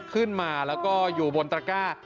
ขึ้นมาแล้วก็อยู่บนตระก้า